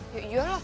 yuk jual loh